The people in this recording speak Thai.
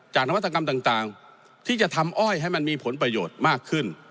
นวัตกรรมต่างที่จะทำอ้อยให้มันมีผลประโยชน์มากขึ้น